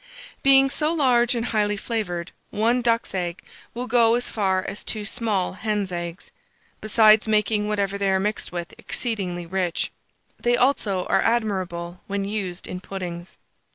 Being so large and highly flavoured, 1 duck's egg will go as far as 2 small hen's eggs; besides making whatever they are mixed with exceedingly rich. They also are admirable when used in puddings.